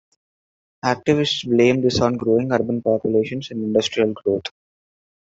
Activists blame this on growing urban populations and industrial growth.